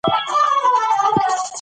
هغه د قامي شاعر په توګه پېژندل شوی.